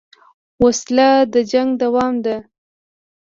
وسله د جنګ دوام ده